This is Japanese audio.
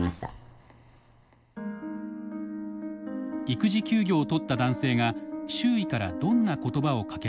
育児休業を取った男性が周囲からどんな言葉をかけられたのか。